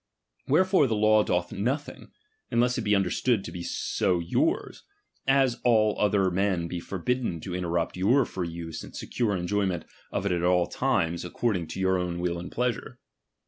Wherefore the law doth nothing, unless it be understood to be so yottrs, as all other men be forbidden to interrupt your free use and secure enjoyment of it at all times, according to your own will and pleasure.